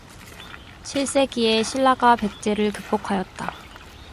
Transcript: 칠 세기에 신라가 백제를 극복하였다